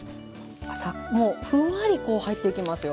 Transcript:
もうふんわりこう入っていきますよ